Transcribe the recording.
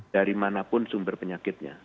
dari mana pun sumber penyakitnya